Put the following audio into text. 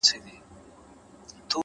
د پوهې سفر پای نه لري؛